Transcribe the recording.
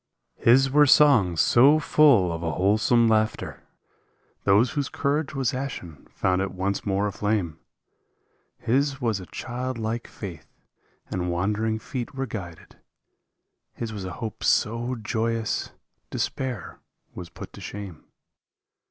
His were songs so full of a wholesome laughter Those whose courage was ashen found it once more aflame, His was a child like faith and wandering feet were guided. His was a hope so joyous despair was put to shame.